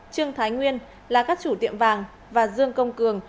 trương thái nguyên là các chủ tiệm vàng và dương công cường